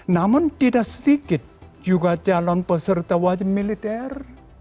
namun tidak sedikit juga calon peserta wajib militer